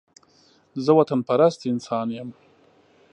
زه وطن پرست انسان يم